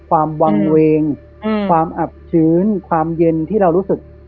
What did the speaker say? ความวางเวงความอับชื้นความเย็นที่เรารู้สึก